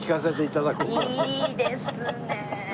いいですねえ！